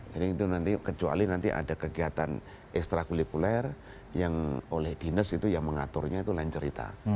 jadi itu nanti kecuali nanti ada kegiatan ekstra kulikuler yang oleh dinas itu yang mengaturnya itu lain cerita